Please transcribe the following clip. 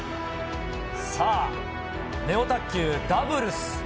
ネオ卓球ダブルス。